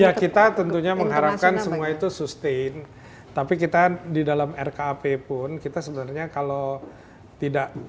ya kita tentunya mengharapkan semua itu sustain tapi kita di dalam rkap pun kita sebenarnya kalau tidak